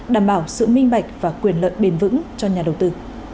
đảm bảo sự minh bạch và quyền lợi bền vững cho nhà đầu tư